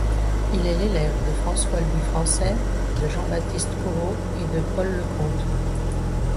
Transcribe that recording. Il est l'élève de François-Louis Français, de Jean-Baptiste Corot et de Paul Lecomte.